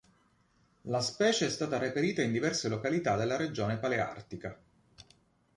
La specie è stata reperita in diverse località della regione paleartica.